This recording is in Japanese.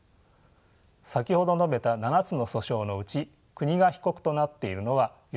先ほど述べた７つの訴訟のうち国が被告となっているのは４つです。